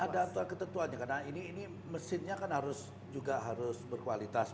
ada aturan ketentuannya karena ini mesinnya kan harus juga harus berkualitas